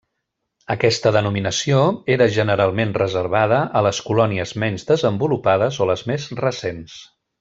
Aquesta denominació era generalment reservada a les colònies menys desenvolupades o les més recents.